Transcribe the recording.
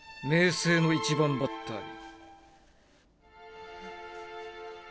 青の１番バッターに。